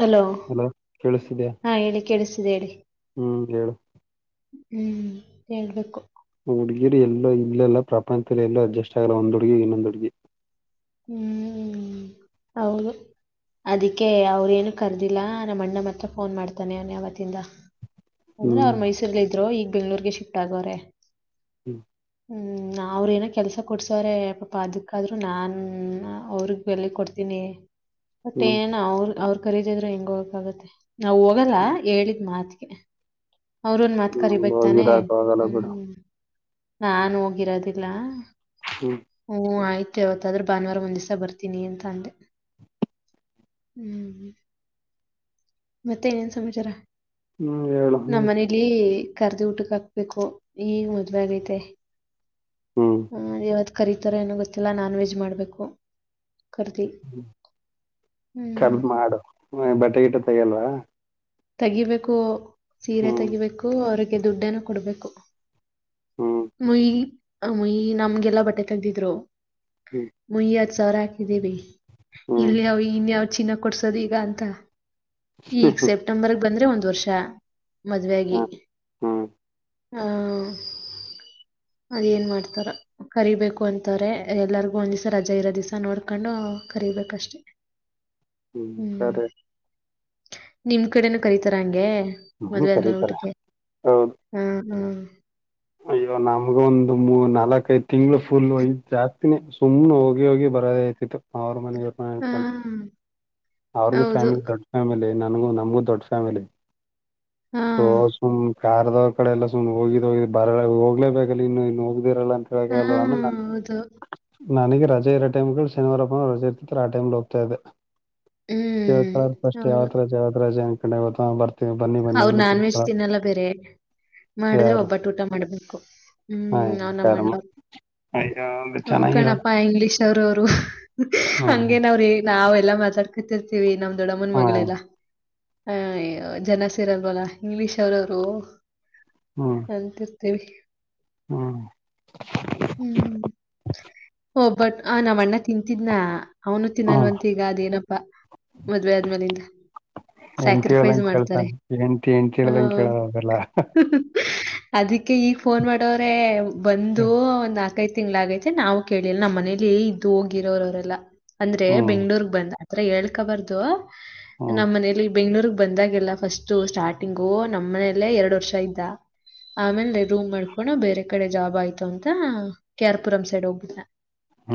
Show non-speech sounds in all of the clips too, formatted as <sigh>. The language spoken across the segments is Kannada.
ಹಲೋ ಆ <inaudible> ಅಲೋ ಕೇಳಿಸಿದ್ಯಾ ಹಾ ಹೇಳಿ ಕೇಳಿಸ್ತಿದೆ ಹೇಳಿ ಹ್ಮ್ ಹೇಳು ಆ ಹ್ಞ ಹೇಬೇಕು ಹುಡುಗಿರಿ ಎಲ್ಲೋ ಇಲ್ಲಲ್ಲ ಪ್ರಪಂಚದಲ್ಲಿ ಎಲ್ಲೂ ಅಡ್ಜಸ್ಟ್ ಆಗಲ್ಲ ಒಂದು ಹುಡುಗಿ ಇನ್ನೊಂದು ಹುಡುಗಿ ಹ್ಮ್ ಹೌದು ಅದಕ್ಕೆ ಅವ್ರೇನು ಕರ್ದಿಲ್ಲ ನಮ್ಮ ಅಣ್ಣ ಮತ್ರ ಫೋನ್ ಮಾಡ್ತಾನೆ ಅವಾನ ಯಾವತ್ತಿಂದ ಒಂದ್ರ ಹ್ಮ್ ಅವ್ರ ಮೈಸೂರ್ಲ್ಲ ಇದ್ರು ಈಗ ಬೆಂಗ್ಳೂರ್ಗೆ ಶಿಫ್ಟ್ ಆಗೋ್ರೆ ಹ್ಮ್ ಹ್ಮ ಅವ್ರು ಏನೋ ಕೆಲಸ ಕೊಡ್ಸ್ರ ಪಾಪಾ ಅದಕ್ಕಾದ್ರೂ ನಾನ ಹ್ಮ್ ಅವ್ರಗ್ ಬೆಲೆ ಕೊಡ್ತೀನಿ ಬತ್ತ ಹ್ಮ್ ಏನ ಅವ್ರ ಅವ್ರ ರೀದಿದ್ರೆ ಹೆಂಗ ಹೋಗಕ ಆಾಗತ್ತೆ ನಾವ್ ಹೋಗಲ್ಲ ಹ್ಮ್ ಹೇಳಿದ್ ಮಾತ್ಗೆ ಅವ್ರ ಒಂದ ಮಾತ್ ನಮ್ಗ್ ಹೋಗಿ ಕರಿಬತಾನೆ ಇರಾಕ್ ಆಗಲ್ಲ ಬಿಡು ಹ್ಮ್ ನಾನ್ು ಹೋಗಿರೋದಿಲ್ಲ ಹ್ಮ್ ಹ್ಮ ಆಯ್ತು ಯವತ್ತಾದ್ರೂ ಭಾನುವಾರ ಒಂದ್ಿವ್ಸ ಬರ್ತೀನಿ ಅಂತ ಅಂದೆ ಹ್ಮ್ ಮತ್ತೆ ಏನೇನ್ ಸಮಾಚಾರ ಹ್ಮ್ ಹೇಳಏಳು ನಮ್ಮ್ ಮನೇಲಿ ಕರ್ದಿ ಊಟಕ್ ಹಾಕ್ಬೇಕು ಈ ಮೊದ್ಲ ಆಗೈತೆ ಹ್ಮ್ ಹ್ಮ ಯಾವತ್ತು ಕರಿೀತರ ಏನೋ ಗೊತ್ತಿಲ್ಲ ನಾನ್ ವೆಜ್ ಮಾಡ್ಬೇಕು ಕರ್ದಿ ಹ್ಮ ಹ್ಮ್ ರ್ದ್ ಮಾಡು ಬಟ್ಟೆಗಿಟ ತಗಲ್ವಾ ತೆಗಿಬೇಕು ಸೀರೆ ತೆಗಿಬೇಕು ಅವ್ರರಿಗೆ ದುಡ್ಡನ್ನು ಕೊಡ್ಬೇಕು ಹ್ಮ್ ಮಯಿ ಮಯಿ ನಮ್ಗೆಲ್ಲಾ ಬಟ್ಟೆ ತೆಗ್ದಿದ್ರು ಹ್ಮ್ ಮುಯವತ್ ಸಾವಿರ ಹಾಕಿದ್ದೀವಿ ಹ್ಮ್ ಇಲ್ಲಿ ಇನ್ ಚಿನ್ನ ಕೊಡ್ಸೋದ್ ಈಗ ಅಂತ ಹ್ಮ ಈಗ ಹ್ಮ ಸೆಪ್ಟೆಂಬರ್ಗ್ ಬಂದ್ರೆ ಒಂದ್ ವರ್ಷ ಮದುವಾಗಿ ಹ್ಮ್ ಹ್ಮ್ ಹ ಅದ್ ಏನ್ ಮಾಡ್ತಾರ ಕರಿೀಬೇಕು ಅಂತಾರೆ ಎಲ್ಲರಿಗು ಒಂದ್ ದಿವ್ಸ ರಜಾ ಇರೋ ದಿವ್ಸ ನೋಡ್ಕೊಂಡು ಕರಿೀಬೇಕಷ್ಟೆ <inaudible> ಹ್ಮ್ ಸರಿ <inaudible> ನಿಮ್ ಕಡೆನ ಕರತಾರ ಹಂಗೆ ಹ್ಮ್ ಮದ್ುವೆ ಆದ್ನೇ ಕರೀತಾರೆ ಊಟಕ್ಕೆ ಹೌದು ಹ ಹ <inaudible> ಅಯ್ಯೋ ನಮ್ಗ ಒಂದು್ ಮೂ ನಾಲ್ಕೈದ್ ತಿಂಗ್ಗಳು ಫುಲ್ ಯ್ ಜಾಸ್ತಿನಿ ಸುಮ್ನೆ ಹೋಗಿ ಹೋಗಿ <inaudible> ರದೇ ಆಐತಿತ್ತು ಅವ್ರ ಹಾ ಮನವಕೊಂಡ ಅವ್ರಗು ಹೌದು ಫ್ಯಾಮಿಲಿ ದೊಡ್ಡ ಫ್ಯಾಮಿಲಿ <inaudible> ನನ್ಗೂ ನಮಗೂ ದೊಡ್ಡ ಫ್ಯಾಮಿಲಿ ಹಾ ಸೊು <inaudible> ಕಾರ್ದವ್ರ ಕಡೆ ಎಲ್ಲ ಸು ಹೋಗಿದೋಗ ಬ ಹೋಗ್ಲೇಬೇಕಲ್ಲ ಇನ್ನು ಇನ್ನು ಹೋಗ <inaudible> ಿರಲ್ಲ ಅಂತ ಹಾ ಹೇಳಲ್ಲ ಆೇ ನಗೆ ಹೌದು <inaudible> ನನಗೆ ರಜ ಇೋ ಟೈಮ್ಗಳು ಶನಿವಾರಪ್ಪ ರಜ ಇರ್ತಾರೆ ಆಟೈಮ್ ಹೋಗ್ತಾ ಇದೆ ಹ್ಮ್ ಕೇಳ್ಕಳ ಫಸ್ಟ್ ಹೌದು ಯಾವತ್ ರಜೆ ಯಾವತ್ ರಜೆ ಅ ಕಡೆ ಹ ಬರ್ತಾರೆ ಹ್ ನಾನ್ ವೆಜ್ ತಿನ್ನಲ್ಲ ಬೇರೆ ಮಾಡಿದ್ರೆ ಯಾರು ಒಬ್ಬಟ್ಟ ಊಟ ಮಾಡ್ಬೇಕು <inaudible> ಹಾ ಹ್ಮ್ ನ ಯಾರಮ್ಮ ನಮ್ಮಣ್ಣರು ಅಯ್ಯೋ ಅದು <inaudible> ಚೆನ್ನಾಗಿರಲ್ಲ ಹೋಕಣಪ್ಪಾ ಇಂಗ್ಲಿೀಷ್ ಅವ್ರ ಅವರು ಹ್ಮ್ ಹಂಗೇನ ಅವ್ರ ನಾವ <inaudible> ಾ ನ ದೊಡ್ಡ ಹ್ಮ್ ಮಲ್ಲ <inaudible> ರಲ್ವಲ್ಲ ಇಂಗ್ಲಿೀಷ್ ಅವ್ರವರು ಹ್ಮ್ ಅಂತಿರ್ತೇವಿ <inaudible> ಹ್ಮ್ ಹ್ಮ್ ಹಓ ಬಟ್ ಆ ನಾವ್ ಅಣ್ಣ ತಿಂತಿದ್ನ <inaudible> ಅವನು ಹ್ಮ್ ತಿನ್ನಲ್ವಂತ ಈಗ ಅದ್ೇಏನಪ್ಪಾ ಮದ್ವೆೆ ಆದ್ಮೇಾಲಿಂದ ಸ್ಯಾಕ್ರಿಫೈಸ್ ಮಾಡ್ತಾರೆ ಎಂತ ಎಂತೇಳ್ದಂ ಹ್ಮ್ ಕೇಳದದಲ್ಲ <inaudible> ಅದಕ್ಕೆ ಈಗ ಫೋನ್ ಮಾಡವ್ರೆ ಬಂದು ಒಂದ್ ಹತ್ತು <inaudible> ೈ ತಿಂಗ್ಗಳಾಗೈತೆ ನಾವು ಕೇಳಿಲ್ಲ ನಮ್ಮ್ ಮನೇಲಿ ಇದ್ ಹೋಗಿರೋರವರೆಲ್ಲ ಅಂದ್ರೆ ಹ್ಮ್ ಬೆಂಗ್ೂರ್ಗ್ ಬಂದ <inaudible> ಹತ್ರ ಹೇಳ್ಕಬಾರ್ದು ಹ್ಮ್ ನಮ್ಮ್ ಮನಲಿ ಬೆಂಗ್ಳೂರ್ಗ್ ಬಂದಾಗಲ್ಲ ಫಸ್ಟ್ <inaudible> ಸ್ಟಾರ್ಟಿಂಗು ನಮ್ಮನೆಯಲ್ಲೇ ಎರಡು ವರ್ಷ ಇದ್ದ <inaudible> ಆಮೇಲ್ ರೂಮ್ ಮಾಡ್ಕೊಂಡ ಬೇರೆ ಕಡೆ ಜಾಬ್ ಆಯ್ತು ಅಂತ ಕಾರ್ಪುರಂ ಸೈಡ್ ಹೋಗ್ಬಿಟ್ಟ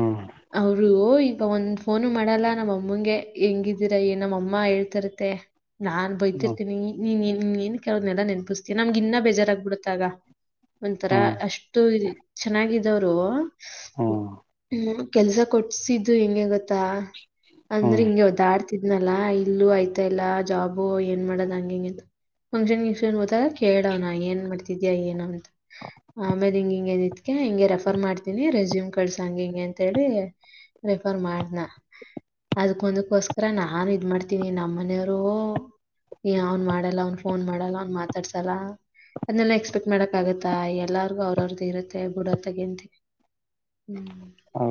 ಹ್ಮ್ ಅವರು <inaudible> ಈಗ ಒಂದ್ ಫೋನು ಮಾಡಲ್ಲ ನಮ್ಮಮ್ಮಗೆ ಹೆಂಗಿದ್ದೀರ ನಮ್ಮ ಅಮ್ಮ ಹೇಳ್ತರತ್ತೆ <inaudible> ನಾನ್ ಬಯತಿರ್ ಹ್ಮ್ ನೀನ್ ನೀ ಏನ್ ಕೆಲವ್ೆಲ್ಲ ನೆನಪಿಸತೀಾ ನಮ್ಗೆ ಇನ್ನ ಬೇಜಾರಾಗಗ್ಬ ಬಿಡುತ್ತ ಆಾಗ ಒಂಥರ ಹ್ಮ್ ಅಷ್ಟು ಚೆನ್ನಾಗಿದವರು ಹ್ಮ್ ಹೂ ಕೆಲ್ಸ ಕೊಟ್ಸಿದ್ದು ಹೆಂಗೆ ಗೊತ್ತಾ ಹ್ಮ್ ಅಂದ್ರೆ ಹಿಂಗೆ ಹೋದಾಡ್ತಾ ತಿದ್ನಲ್ಲಾ ಇಲ್ಲೂ ಆಯ್ತಾ ಇಲ್ಲಾ ಜಾಬು ಏನ್ ಮಾಡದ್ ಹಂಗಂಗಗೆ ಫಂಕ್ಷನ್ಕ್ಷನ್ ಕೇಳವನ ಏನ್ ಮಾಡ್ತಿದ್ಯಾ ಏನ ಅಂತ ಆಮೇಲೆ ಹಿಂಗ ಹಿಂಗ ಹಿಂಗೆ ರೆಫರ್ ಮಾಡ್ತೀನಿ ರೆಸ್ಯೂಮ್ ಕಳ್ಸಂಗ ಹಿಂಗೆ ಅಂತ ಹೇಳಿ ರೆಫರ್ ಮಾಡನ ಅದ್ಕ್ಕೊಂದಕ್ಕೋಸ್ಕರ ನಾನ್ ಇದ್ ಮಾಡ್ತೀನಿ ನಮ್ಮ ಮನೆಯವರು ಅವ್ನ್ ಮಾಡಲ್ಲ ಅವ್ನ್ ಫೋನ್ ಮಾಡಲ್ಲ ಅವನ್ ಮಾತಾಡ್ಸಲ್ಲ ಅದನ್ನೆಲ್ಲಾ ಎಕ್ಸ್ಪೆಕ್ಟ್ ಮಾಡಕ್ ಆಗತ್ತಾ ಎಲ್ಲಾರ್ಗು ಅವ್ರ ಅವ್ರ್ದು ಇರುತ್ತೆ ಬುಡತ್ತಗೇಂತ ಹೌ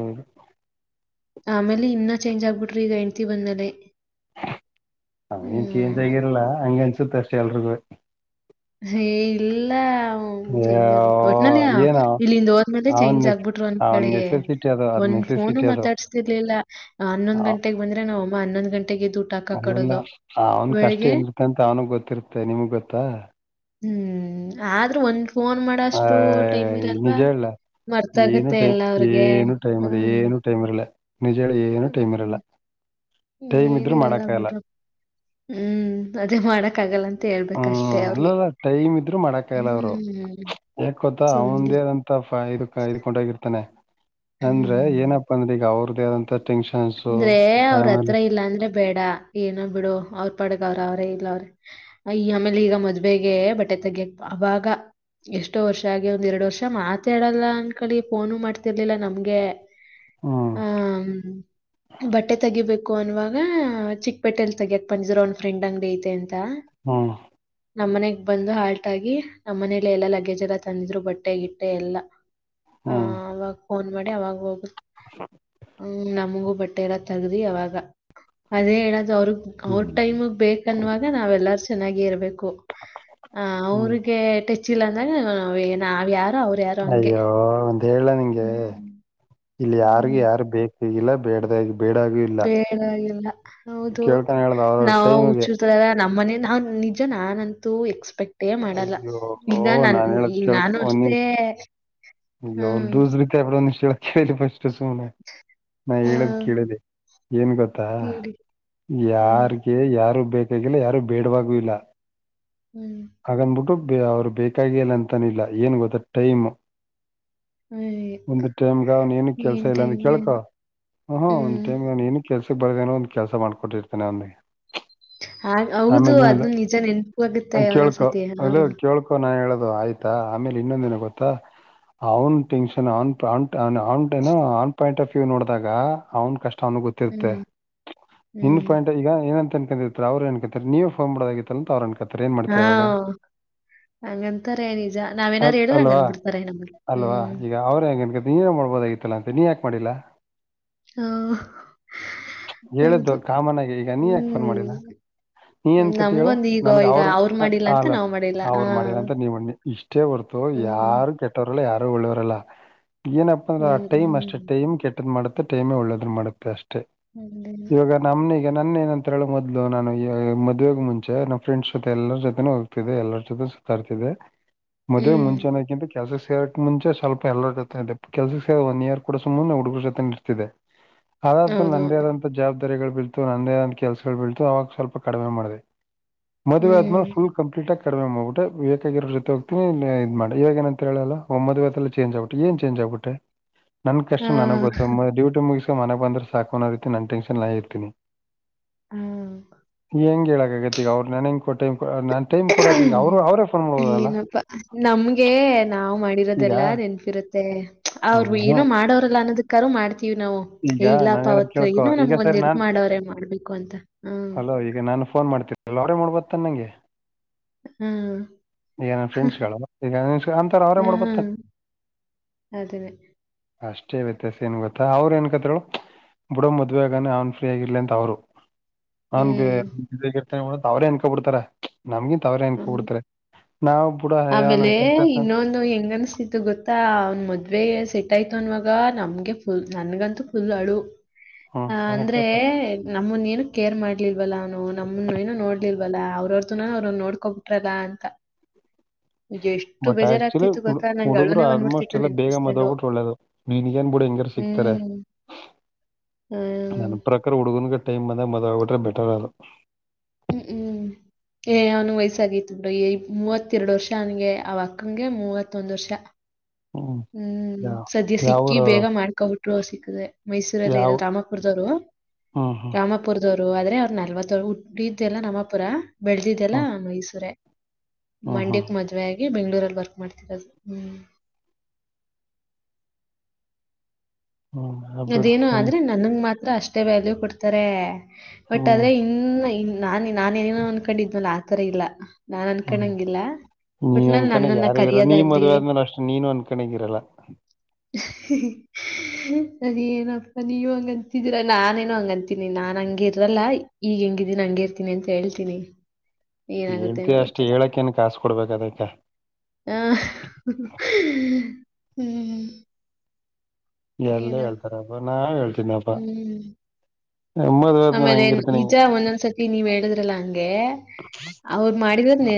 ಆಮೇಲೆ ಇನ್ನ ಚೇಂಜ್ ಆಗ್ಬಿಟ್ರಿ ಈಗ ಹೆಂಡ್ತಿ ಬಂದ್ಮೇಲೆ ಅವೇನ್ ಚೇಂಜ್ ಆಗಿರಲ್ಲ ಹಂಗ ಅನ್ಸುತ್ತ ಅಷ್ಟೆ ಎಲ್ರಿಗೂ ಹೇ ಇಲ್ಲ ಚೇಂಜ್ ಆಗ್ಬ ಒಟ್ಟನಲ್ಲಿ ಯಾ- ಏನೋ ಇಲ್ಲಿಂದ ಹೋದ್್ಮೇ ಅವನ್ ಚೇಂಜ್ ಆಗ್ಬಿಟ್್ರರು ಒಂದ್ ಅವನ್ ಕಡೆ ನೆಸೆಸಿಟಿ ಅದು ಅದ್ ಒಂದ ಫೋನು ನೆಸೆಸಿಟಿ ಅದು ಮಾತಾಡ್ಸ್ತಿರ್ಲಿಲ್ಲ ಹನ್ನೊ್ ಗಂಟೆಗೆ ಬಂದ್ರ ನಾ ಅಮ್ಮ ಹನ್ನೊಂದ್ ಗಂಟೆ ಅಲ್ಲಲ್ಲ ಅವನ್ ಕಷ್ಟ ಬೆಳಿಗ್ಗೆ ಏನಿರ್ತ್ತ ಅಂತ ಅವ್ನಗ್ ಗೊತ್ತಿರುತ್ತೆ ನಿಮಗ್ ಗೊತ್ತಾ ಹೂ ಆದ್ರೂ ಒಂದ್ ಫೋನ್ ಆ ಮಾಡಷ್ಟು ಟೈಮ್ ಇರಲ್ವಾ ನಿಜ ಹೇಳ ಏನು ಮರ್ತಾಗತ್ತೆ ಟೈಮ್ ಎಲ್ಲ ಅವ್ರಿಗೆ. ಏನು ಟೈಮ್ ಹ್ಮ್. ಏನು ಟೈಮ್ ಇರ್ಲ್ಲ ನಿಜ ಹೇಳ ಏನು ಹ್ಮ್, ಟೈಮ್ ಇರಲ್ಲ ಹ್ಮ್. ಟೈಮ್ ಇದ್ರು ಮಾಡಕಾಗಲ್ಲ ಹೂ ಅದೇ ಮಾಡಕ್ ಆಗಲ್ಲಂತೆ ಮತ್ತ ಹೇಳ್ಬೇಕಷ್ಟೆ ಹ್ಮ್ ಅವ್ರಿಗೆ ಅಲ್ಲಲ್ಲ ಹೂ ಹೂ ಯಕ್ೋತಾ ಅವಂದೇಏನಂತ ಇದ ಇದ್ಕೊಂಡೋಗಿರ್ತಾನೆ ಅಂದ್ರೆ ಹ್ಮ್. ಏನಪ್ಪ ಅಂದ್ರೆ ಈಗ ಅವ್ರದ ಆದಂತ ಟೆನ್ಷನ್ಸ್ ಅಂದ್ರೆ ಫ್ಯಾಮಿಲಿ ಅವ್ರತ್ರ ಇಲ್ಲ ಅಂದ್ರೆ ಬೇಡ ಏನ ಬಿಡು ಅವ್ರ ಪಡುವ ಅವ್ರ ಅವ್ರೇ ಇಲ್ಲ ಅವ್ರೆ ಅಯ ಆಮೇಲೆ ಈಗ ಮದುವೆಗೆ ಬಟ್ಟೆ ತೆಗೆ ಅವಾಗ ಎಷ್ಟೋ ವರ್ಷ ಆಗಿ ಒಂದ್ ಎರಡು ವರ್ಷ ಮಾತಾ ಹೇಳಲ್ಲ ಅನ್ಕಳಿ ಫೋನು ಮಾಡ್ತಿರ್ಲಿಲ್ಲ ನಮ್ಗೆ ಹ್ಮ್ ಹ ಬಟ್ಟೆ ತೆಗಿಬೇಕು ಅನ್ವಾಗ ಚಿಕ್ಕಪೇಟಲಿ ತೆಗಿಯಕ್ ಬಂದಿದ್ರು ಒನ್ ಫ್ರೆಂಡ್ ಅಂಗ್ಡಿ ಐತೆ ಅಂತ ಹ ನಮ್ಮ್ ಮನೆಗ್ ಬಂದು ಹಾಲ್ಟ್ ಆಗಿ ನಮ್ಮ ಮನೇಲಿ ಎಲ್ಲಾ ಲಗೇಜ್ ಎಲ್ಲ ತಂದಿದ್ರು ಬಟ್ಟೆ ಗಿಟ್ಟೆ ಎಲ್ಲ ಹ ಹ್ಮ್ ಅವಾಗ ಫೋನ್ ಮಾಡಿ ಅವಾಗ ಹೋಗ ಹ ನಮಗು ಬಟ್ಟೆ ಎಲ್ಲ ತೆಗ್ದಿ ಅವಾಗ ಅದೇ ಹೇಳದು ಅವ್ರಗ ಅವ್ರ ಹ್ಮ್ ಟೈಮ ಬೇಕನ್ನುವಾಗ ನಾವ್ೆಲ್ಲಾರು ಚೆನ್ನಾಗಿ ಇರ್ಬೇಕು ಹ್ಮ್ ಅವ್ರಿಗೆ ಟೆಚ್ ಇಿಲ್ಲ ಅಂದಾಗ ನಾವ್ ಯಾರ್ ಅಯ್ಯೋ ಒಂದ ಹೇಳ ನಿಂಗೆ ಹ್ಮ್ ಇಲ್ಲಿ ಯಾರ್ ಹ್ಮ್ ಯಾರು ಬೇಕಗಿಲ್ಲ ಬೇಡ್ದಾಗ ಬೇಡಾಗೂ ಇಲ್ಲ ಬಡಾಗಿಲ್ಲ ಹೌದು ಕೇಳ್ತಾನೆ ಹೇಳ್ದ ಅವ್ರವ್ರ ನಾವು ಟೈಮಿಗೆ ಹುಚ್ಚಿತರಲ್ಲ ನಮ್ಮನೆ ನಾನ್ ನಿಜ ನಾನಂತು ಎಕ್ಸ್ ಎಕ್ಸ್ಪೆಕ್ಟೇ ಮಾಡಲ್ಲ ಅಯ್ಯೋ ಈಗ ನನ್ ನಾನ್ ನಾನು ಅಷ್ಟೇ ಯ ಹ್ಮ್ ದೂ ರೀತಿ ಅಂದ ಕೇಳಿ ಫಸ್ಟ್ು ಸುಮ್ನೆ ನಾ ಹೇಳದ್ ಹ್ಮ್ ಕೇಳದೆ ಏನ್ ಗೊತ್ತಾ ಹೇಳಿ ಹ್ಮ್ ಯಾರ್ಗೆ ಯಾರು ಬೇಕ ರೆಗ್ಯುಲರ್ ಯಾರು ಬೇಡವಾಗು ಇಲ್ಲ ಹ್ಮ್ ಹಾಗನ್್ಬಿಟ್ಟು ಬ ಅವ್ರು ಬೇಕಾಗಿಲ್ಲ ಅಂತನಿಲ್ಲ ಏನು ಗೊತ್ತ ಟೈಮ್ ಅಯ್ ಒಂದ್ ಟೈಮ್ಗ ಅವನ್ ಏನು ಕೆಲ್ಸ ಏನ್ ಇಲ್ಲ ಅಂದ ಟೈಮೋ ಕೇಳ್ಕೊ ಏನೋ. ಹೂ ಹ್ಮ್ ಒಂದ್ಟೈಮ್ ನಾನು ಏನು ಕೆಸಕ್ಕೆ ಬರದೇಏನೋ ಒಂದ ಕೆಲಸ ಮಾಡಕೊಟ್ಟಿರ್ತೇನೆ ಅವನ್ಿಗೆ ಹಾಗ್ ಹೌದು ಅದು ಆಮೇಲೆ ನಿಜ ನೆನ್ಪು ಆಗುತ್ತೆ ಕೇಳ್ಕೊ ಒಂದೊಂದ್ಸತಿ ಹಾ. ಅಲ್ಲ ಕೇಳ್ಕೊ ನಾ ಹೇಳದು ಆಯ್ತಾ ಆಮೇಲೆ ಇನ್ನೊಂದಿನ ಗೊತ್ತಾ ಅವ್ನ್ ಟೆನ್ನ್ ಅವ್ನ ಅವ ಅವ ಏನೋ ಅವನ್ ಪಾಯಿಂಟ್ ಆಫ್ ವ್ ನೋಡಿದಾಗ ಅವ್ನ್ ಕಷ್ಟ ನ ಗೊತ್ತಿರುತ್ತೆ ಹ್ಮ್ ಇನ್ ಹ್ಮ್ ಪಾಯಿಂಟ್ ಈಗ ಏನಂತ ಅವ್ರ ಏ ಕ ನೀವು ಮಾಡದಾಗಿತ್ತು ಅಂತ ಅವ್ರ ಕೆ ಹಾ ಹಂಗಂತಾರೆ ನಿಜ ನಾವೇನಾದಾರು ಅಲ್- ಹೇಳುದ್ರ ಅಲ್ವಾ ಹಂಗನ್ ಬಿಡ್ತಾರೆ ನಮ ಅಲ್ವಾ ಈಗ ಅವ್ರೇ ಹೆಂಗೆ ಅನ್ಕ ನೀನೇ ಮಾಡ್ಬೋದಾಗಿತ್ತಲ್ಲ ಅಂತ ನೀ ಯಾಕೆ ಮಾಡಿಲ್ಲ ಹ ಹೇಳ್ದು ಕಾಮನ್ ಆಗಿ ಈಗ ನೀ ಯಾಕೆ ಫೋನ್ ಮಾಡಿಲ್ಲ ಹ್ಮ್ ನೀ ಏನ್ ಕತಿ ಹೇಳು ನಮ್ಗೊಂದ್ ಈಗ ನನ್ಗ ಈಗ ಅವ್ರ ಅವ್ರು ಮಾಡಿಲ್ಲ ಅಂತ ಅಲ ನಾವ್ ಮಾಡಿಲ್ಲ ಆ ಅವರು ಮಾಡಿಲ್ಲ ಅಂತ ನೀವ್ಣ ಇಷ್ಟೇ ಬರ್ತ ಹ್ಮ್ ಯಾರು ಕೆಟ್ಟರು ಯಾರು ಒಳ್ಳವರಲ್ಲ ಏನಪ್ಪ ಅಂದ್ರೆ ಆ ಹ್ಮ್ ಟೈಮ್ ಅಷ್ಟೆ ಹ್ಮ್ ಟೈಮ್ ಕೆದ್ ಮಾಡ ಟೈಮೇ ಒಳ್ಳೇದ್ರು ಮಾಡಪ್ಪೆ ಅಷ್ಟೆ ಹಂಗೇನು ಇವಾಗ ನಮನಗ ಈಗ ನನ್ನ ಏನ ಅಂತ ಹೇಳ ಮೊಲು ನಾನು ಮದುವೆ ಮುಚೆ ನಮ್ಮ ಫ್ರೆಂಡ್ಸ್ ಜೊ ಎಲ್ಲರ ಜೊತೆ ಹೋಗತಿದೆ ಎಲ್ಲರ ಜೊತೆ ತರ್ತಿದೆ ಮೊದ್ ಹ್ಮ್ ಮುಂಚೆತ ಕೆಲಸ ಸೇ ಮುಂಚೆ ಸ್ವಲ್ಪ ಎಲ್ಲರ ಜೊತೆ ಕೆಲ್ಸಕ್ಕೆ ಸ ಒನ್ ಇಯರ್ ಕೂಡ ಸುಮ್ಮನೆ ಹುಡುಗರ್ ಜೊತೆ ನಿಡ್ತಿದೆ ಅದಾದ್ಮೂ ಹೌದು ನಂದೇ ಆದಂತಥ ಜವಾಬ್ದಾರಿಗಳು ಬೀಳ್ತು ನಂದೇ ಆದಂತಥ ಕೆಲ್ಸಗಳು ಬೀಳ್ತು ಅವಾಗ ಸ್ವಲ್ಪ ಕಡಿಮೆ ಮಾಡಿದೆ ಮದುವೆ ಆದ್ ಹ್ಮ್ ಫುಲ್ ಕಂಪ್ಲೀಟ್ ಆಗ ಕಡಿಮೆ ಹೋಗಿಬಿಟ್ಟು ಬೇಕಾಗಿರೋ ಜೊತೆ ಹೋಗ್ತೀನ ಇ ಮಾಡಿಗ ಏನ ಅಂತ ಹೇಳಲ್ಲ ಒೊದ್ ಚೇಂಜ್ ಆಗ್ಬಿಟ್ಟ ಏ ಚೇಂಜ್ ಆಗ್ಬಿಟ್ಟೆ ನನ್ ಆ ಕಷ್ಟ ನನಗ್ ಗೊತ್ತ ಡೂಟಿ ಮುಗ ಮನೆ ಬಂದ್ರೆ ಸಾಕು ಅರೀತಿ ನನ್ ಟೆನ್ ಇರ್ತೀನಿ ಹ್ಮ ಹೆಂಗಗೆ ಹೇಳಕ್ಕಾಗತ್ತೆಗ ಅವ್ರು ನನಗೆ ಕೊಟ್ಟೆ ಮಾಡ್ಬೋದಲ್ಲ ಏನಪ್ಪಾ ನಮ್ಗೆ ನಾವು ಮಾಡಿರೋದ ಈಗ ದೆಲ್ಲ ನೆನ್ಪಿರುತ್ತೆ ಹ್ಮ್ ಅವ್ರು ಏನೋ ಹ್ಮ್ ಮಾಡೋರಲ್ಲ ಅನ್ನದಕ್ಕ ಮಾಡ್ತ ನಾವು ಈಗ ಏ ನಾನು ಇಲ್ಲಪ್ಪ ಹೇಳೋದ್ ಅವತ್ ಕೇಳ್ಕೊ ನ ಈಗ ನಮ್ಗೊಂದ ಸರಿ ಎಲ್ ನಾನ್ ಮಾಡವ್ರೇ ಮಾಡ್ಬೇಕು ಅಂತ ಹ್ಮ್ ಹಲೋ ಈಗ ನಾನು ಫೋನ್ ಮಾಡ್ತನಿ ಅವ್ರ ಮಾಡೋಬತ್ತನ್ ನಂಗೆ ಹ್ಮ್ ಈಗ ನನ್ನ ಫ್ರೆಂಡ್ಸ್ಗಳು ಈಗ ಅಂತರ ಅವರೇ ಮಾಡ್ಬತಾನ ಅದನ್ನೇ ಅಷ್ಟೇ ವ್ಯತ್ಯಾಸ ಏನ್ ಗೊತ್ತಾ ಅವ್ ಏನ್ಕತ್ರು ಬುಡೋ ಮದ್ವೆೆಗನೇ ಅವನ್ ಫ್ರೀ ಆಗಿರ್ಲಿ ಅಂತ ಅವರು ಹನ್ ಹ್ಮ್ ಇರ್ತ ಅವ್ರೇ ಅನ್ಕೊ ಬಿಡ್ತಾರ ನಮ್ಗಿಂತ ಅವ್ರೇ ಎನ್ಕೊ ಹ್ಮ್ ಬಿಡ್ತಾರ ಆಮೇಲೆ ಇನ್ನೊಂದು ಹೆಂಗ್ ಅನ್ಸ್ತಿತ್ತು ಗೊತ್ತಾ ಅವನ್ ಮದ್ವೆ ಆಯ್ತು ಅನ್ವಾಗ ನಮ್ಗೆ ಫುಲ್ ನನ್ಗಂತೂ ಫುಲ್ ಅಡು ಹೌ ಹ ಅಂದ್ರೆ ನಮ್ಮನ್ನ ಏನು ಕೇರ್ ಮಾಡ್ಲಿಲ್ವಲ್ಲ ಅವನು ನಮ್ಮನ್ನ ಏನು ನೋಡ್ಲಿಲ್ವಲ್ಲ ಅವ್ರವ್ರ ನಾ ಅವ್ರು ನೋಡ್ಕೋಬಿಟ್ರದ ಅಂತ ಎಷ್ಟು ಬಟ್ ಆಕ್ಚುಲಿ ಬೇಜಾರಾಗ್ತಿತ್ತು ಗೊತ್ತಾ? ನಂಗ್ ಹುಡುಗರು ಅಳುನೇ ಆಲ್ಮೋಸ್ಟ್ ಬಂದ್ಬಿಡ್ತಿತ್ತು ಎಲ್ಲ ಬೇಗ ನೆನ್ಪಿಸ್ಕೊಂಡು. ಮದ್ಗ್ಬಿಟ್ರ ಒಳ್ಳೇದು ನೀನ್ಗ ಹಂಗಾರ ಸಿಗ್ತಾರೆ ಹ್ಮ್. ಆ, ನನ್ನ ಪ್ರಕಾರ ಹುಡುಗ ಟೈ ಬ ಅಂದೆ ಮೊದ್ ಬಿಟ್ರೆ ಬೆಟರ್ ಅದು ಹ್ಮ್ ಹ್ಮ್ ಏ ಅವ್ನ್ ವಯಸ್ಸಗತಿಈ ಮೂವತ್ತೆರಡು ವರ್ಷ ಅವನ್ಗೆ ಅವ ಅಕ್ಕನ್ಗೆ ಮೂವತ್ತೊಂದ್ ವರ್ಷ ಹ್ಮ್ ಯಾವ ಸದ್ಯ ಯಾವ ಸಿಕ್ಕಿ ಊರು ಅವ್ರು? ಬೇಗ ಮಾಡ್ಕೊಬಿಟ್ರು ಸಿಕ್ಕದೆ ಮೈಸೂರಲ್ಲ ಯಾವ ಇರಲ್ ರಾಮಾಪುರದವ್ರು ಹ್ಮ್ ಹ್ಮ್ ರಾಮಪುರದವರು ರು ಆದ್ರೆ ಅವ್ರ ನಲ್ವತ್ತ ಇದ್ದೆಲ್ಲ ನಮ್ಮಪುರ ಬೆಳ್ದಿದ್ದೆಲ್ಲ ಮೈಸೂರ ಹ್ಮ್ ಹ್ಮ್ ಹ್ಮ್ ಮಂಡಕ್ ಮದ್ವೆ ಆಗಿಬೆಂಗ್ಳೂರಲ್ಲಿ ವರ್ಕ್ ಮಾಡ್ತಿರದು ಹ್ಮ್ ಹ್ಮ್ ಆ ಬಿಡು ಅದೇನು ಹ್ಮ್ ಅಂದ್ರೆ ನನ್ಂಗ ಮಾತ್ ಅಷ್ಟೇ ವ್ಯಾಲ್ಯೂ ಕೊಡ್ತಾರೆ ಬಟ್ ಹ್ಮ್ ಆದ್ರೆ ಇನ್ನು ನ ನಾನನ್ ಏನೇನೋ ಅನ್ಕೊಂಡಿದ್ನಲ್ಲ ಆತರ ಇಲ್ಲ ನಾನ್ ಹ್ಮ್ ಅನ್ಕೊಂಡಂಗಿಲ್ಲ ನೀ ಅಂದ ಒಟ್ನಲ್ಲಿ ಕಣಗ್ ನನ್ನನ್ನ ಯಾರ ಇರ ನೀ ಕರಿಯೋದಾಗ್ಲಿ ಮದ್ೆ ಆದ್ಮೇಲೆ ಅಷ್ಟೇ ನೀನು ಒಂದ ಕಣಗ ಇರಲ್ಲ ಹ್ಮ ಅದ ಏನಪ್ಪಾ ನೀವ್ ಹಂಗಂತಿದೀರಾ ನಾನೇನು ಹಂಗಂತೀನಿ ನಾನ್ ಹಂಗಿ ಇರಲ್ಲ ಈಗ ಹೆಂಗಿದೀನಿ ಹಂಗ ಇರ್ತೀನಿ ಅಂತ ಹೇಳ್ತೀನಿ ಏನಾಗುತ್ತೆ ಏನೋ ಹೇಳ್ತಯ ಅಷ್ಟು ಹೇಳಕ್ಕ ಏನ್ ಕಾಸ ಕೊಡ್ಬೇಕ ಅದೈಕ್ಕ ಹ ಹ್ಮ್ ಎಲ್ಲ ಏನೋ ಹೇಳ್ತಾರಬ್ಬ ನಾ ಹೇಳ್ತ ಹ್ಮ್ ಮದ್ವೆ ಆದ್ಮೇಲೆ ಆಮೇಲೆ ಹಂಗಿರ್ತೀನಿ ನಿಜ ಹಿಂಗೆ. ಒಂದೊಂದ್ಸತಿ ನೀವ್ ಹೇಳುದ್ರಲ್ಲ ಹಂಗೆ ಅವರು ಮಾಡಿದರನ ನೆ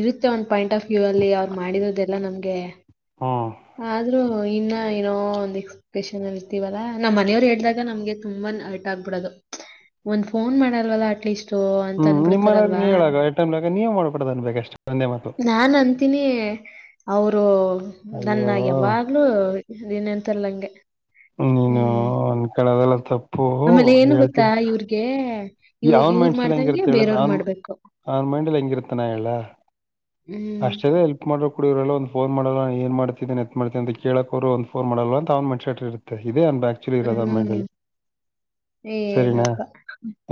ಇರುತ್ತೆ ಒಂದ ಪಾಯಿಂಟ್ ಆಫ್ ವ್ಯೂ ಅಲ್ಲಿ ಅವ್ರು ಮಾಡಿರೋದೆಲ್ಲ ನಮ್ಗೆ ಹ್ಮ್ ಆದ್ರೂ ಇನ್ನ ಏನೋ ಒಂದು ಎಕ್ಸ್ಪೆಪ್ರಷನ್ ಇರ್ತೀವಲ್ಲಾ ನಮ್ಮ್ ಮನೆಯ್ರು ಹೇಳ್ದಾಗ ನಮ್ಗೆ ತುಂಬಾನೇ ಹರ್ಟ್ ಆಬಿಡೋದು ಒಂದ್ ಫೋನ್ ಮಾಡಲ್ವಲ್ಲ ಅಟ್ಲೀಸ್ಟ್ ಅಂತ ಹ್ಮ್ ನಿಮ್ಮನೆಯವ್ರಿಗೆ ಅನ್ಬಿಡ್ತಾರಲ್ವಾ ನೀ ಹೇಳಾಗ ಟೈಮ್ಲಾಗ ನೀವ್ ಮಾಡ್ಬಿಡೋದು ಅನ್ಬೇಕಷ್ಟೇ ಒಂದೇ ಮಾತು ನಾನ ಅಂತೀನಿ ಅವರು ನನ್ನ ಅಯ್ಯೋ ಯಾವಾಗ್ಲೂ ದಿನಂತರ್ಲಂಗೆ ಹ್ಮ್ ಹ ಆಮೇಲೆ ನೀ ಏನು ಗೊತ್ತಾ ಹೇಳ್ತೀರಿ ಇವ್ರಿಗೆ ಈ ಇವ್ ಅವ್ನ್ ಇವ್ರ್ ಮೈಂಡ್ಸಲ್ಲಿ ಮಾಡ್ದಂಗೆ ಹೆಂಗಿರತ್ತೆ ಹೇಳ ಬೇರೆಯವ್ರ್ ಅವನ್ ಮಾಡ್ಬೇಕು. ಅವನ್ ಮೈಂಡಲ್ ಹೆಂಗಿರ್ತಾನ ಹೇಳಲ್ಲಾ ಹ್ಮ್ ಅಷ್ಟಲೇ ಹೆಲ್ಪ್ ಮಾಡ ಕುಡಿಯವ್ರಲ್ಲ ಒ ಫೋನ್ ಮಾಡೋಲ್ಲ ಏನ್ ಮಾಡ್ತಿದ ಎತ್ ಮಾಡ್ತವಿ ಅಂತ ಕೇಳೋಕ್ ಅವರು ಒಂದ ಫೋನ ಮಾಡಲ್ಲ ಅವ್ನ್ ಮೈಂಡ್ ಸೆಟ್ ಇರುತ್ತೆ ಅ ಆಕ್ಚುಲಿ ಇರೋದು ಅನ್ ಮೈಂಡಲ್ಲಿ ಹ್ಮ್ ಸರಿನಾ ಏನಪ್ಪಾ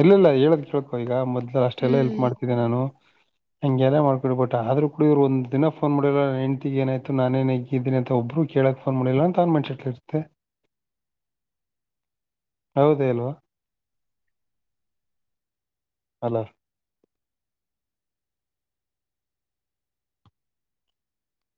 ಇಲ್ಲ ಇಲ್ಲ ಹೇಳದ ಬೇಕು ಈಗ ಮೊದ್ಲ ಅಷ್ಟೆಲ್ಲ ಎಲ್ಪ್ ಹ್ಮ್. ಮಾಡ್ತಿದ್ದೆ ನಾನು ಹಗೆಲ್ಲ ಮಾಡ್ಕೊಡ್ಬಟ್ಟಟ್ ಆದ್ರೂ ಕುಡಿದವರು ಒಂದ ದಿನ ಫೋನ್ ಮಾಡಿಲ್ಲ ಎಂಡ್ತಿ ಏಾಯತು ನಾನೇಏೇಗಿದ್ದೀನಿಂತ ಒಬ್ರು ಕೇಳಕ್ಫೋನ್ ಮಾಡಿಲ್ಲ ಅಂತಾನನ್ ಮಾಡಿರ್ತಿ ತ್ತೇ ಹೌದ ಅಲ್ವಾ ಅಲ